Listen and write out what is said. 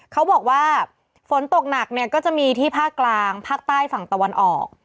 เขาบอกว่าฝนตกหนักเนี่ยก็จะมีที่ภาคกลางภาคใต้ฝั่งตะวันออก